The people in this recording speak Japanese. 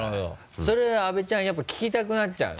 それは阿部ちゃんやっぱ聞きたくなっちゃうの？